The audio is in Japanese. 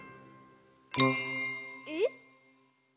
えっ？